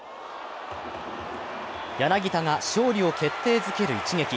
柳田が勝利を決定づける一撃。